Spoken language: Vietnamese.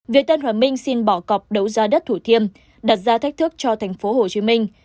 việc tân hòa minh xin bỏ cọc đấu giá đất thủ thiêm đặt ra thách thức cho thành phố hồ chí minh